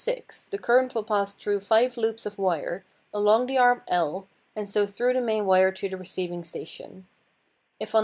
6 the current will pass through five loops of wire, along the arm L, and so through the main wire to the receiving station; if on No.